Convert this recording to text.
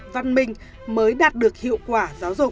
văn minh mới đạt được hiệu quả giáo dục